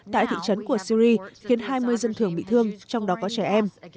tại thị trấn của syri khiến hai mươi dân thường bị thương trong đó có trẻ em